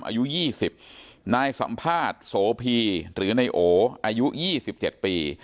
อายุยี่สิบนายสัมภาษณ์โสพีหรือในโออายุยี่สิบเจ็ดปี